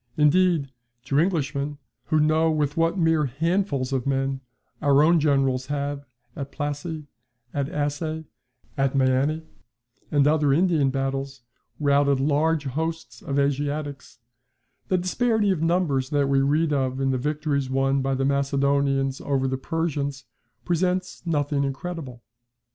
Indeed, to Englishmen, who know with what mere handfuls of men our own generals have, at Plassy, at Assaye, at Meeanee, and other Indian battles, routed large hosts of Asiatics, the disparity of numbers that we read of in the victories won by the Macedonians over the Persians presents nothing incredible.